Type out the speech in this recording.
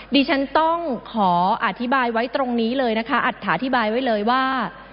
ดิฉันต้องขออธิบายไว้ตรงนี้เลยนะคะอัตถาธิบายไว้เลยว่า